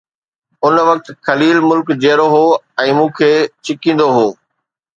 ان وقت خليل ملڪ جيئرو هو ۽ مون کي ڇڪيندو هو.